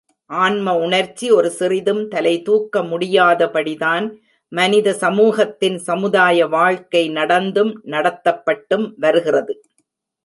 ஆன்ம உணர்ச்சி ஒரு சிறிதும் தலைதூக்க முடியாதபடிதான் மனித சமூகத்தின் சமுதாய வாழ்க்கை நடந்தும், நடத்தப்பட்டும் வருகிறது.